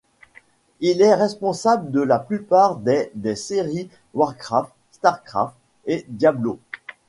Il est responsable de la plupart des des séries Warcraft, StarCraft, et Diablo.